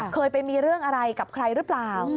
เคยไปมีเรื่องอะไรกับใครหรือเปล่า